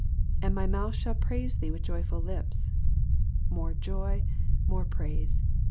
''''And my mouth shall praise thee toUh joyful lips.'''' More joy, more praise.